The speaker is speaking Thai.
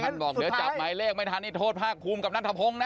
ท่านบอกเดี๋ยวจับไม้เลขไม่ทันโทษภาคคลุมกับนัฐพงศ์นะ